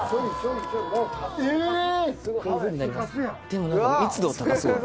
・・えぇ・でも何か密度は高そう。